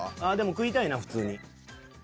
食いたいな普通に。